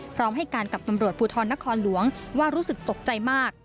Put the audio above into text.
พร้อมให้การกับตำรวจภูทรนครหลวงว่ารู้สึกตกใจมาก